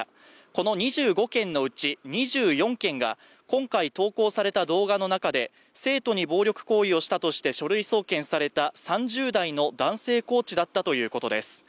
この２５件のうち２４件が今回投稿された動画の中で生徒に暴力行為をしたとして書類送検された３０代の男性コーチだったということです。